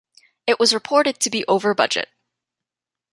It was reported to be over budget.